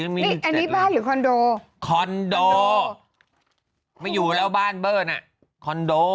นี่อันนี้บ้านหรือคอนโดคอนโดไม่อยู่แล้วบ้านเบิ้ลน่ะคอนโด